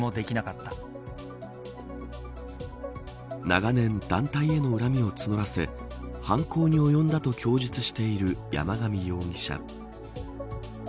長年、団体への恨みを募らせ犯行に及んだと供述している山上容疑者。